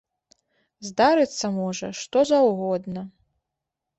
Здарыцца можа што заўгодна!